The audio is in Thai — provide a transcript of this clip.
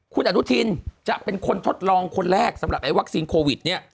คุณอนุทินจะเป็นคนทดลองคนแรกสำหรับไอ้วัคซีนโควิดเนี่ย